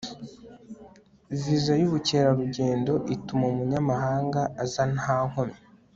viza y'ubukerarugendo ituma umunyamahanga aza nta nkomyi